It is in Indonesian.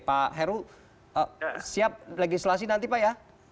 pak heru siap legislasi nanti pak ya